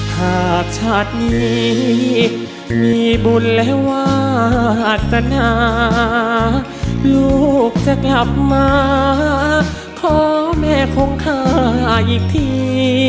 หากชาตินี้มีบุญและวาสนาลูกจะกลับมาขอแม่คงข้าอีกที